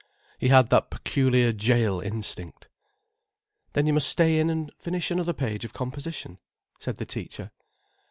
He had that peculiar gaol instinct. "Then you must stay in and finish another page of composition," said the teacher.